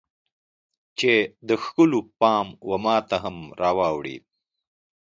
چې د ښکلو پام و ماته هم راواوړي